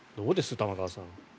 玉川さん。